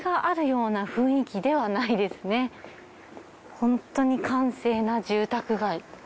ホントに閑静な住宅街。